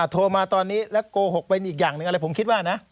โทรมาตอนนี้แล้วโกหกเป็นอีกอย่างหนึ่งอะไรผมคิดว่านะ